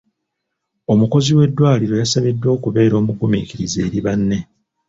Omukozi w'eddwaliro yasabiddwa okubeera omugumiikiriza eri banne.